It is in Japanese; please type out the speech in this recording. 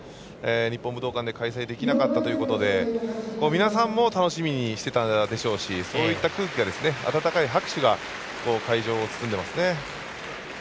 日本武道館で開催できなかったということで皆さんも楽しみにしていたでしょうしそういった空気、温かい拍手が会場を包んでますね。